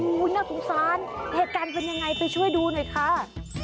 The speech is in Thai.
หูยยยยยน่าสงสารอีกการเป็นยังไงไปช่วยดูหน่อยค่า